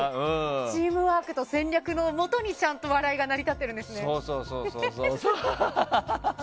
チームワークと戦略のもとにちゃんと笑いが成り立ってるんですね。